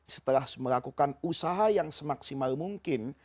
setelah melakukan usaha yang semaksimal mungkin